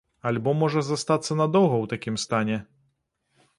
Альбо можа застацца надоўга ў такім стане?